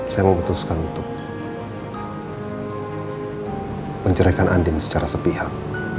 saya memutuskan untuk menceraikan andin secara sepihak